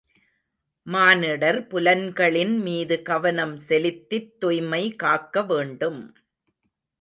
மானிடர் புலன்களின் மீது கவனம் செலுத்தித்துய்மை காக்க வேண்டும்.